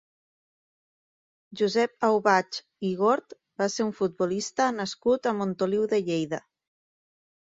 Josep Aubach i Gort va ser un futbolista nascut a Montoliu de Lleida.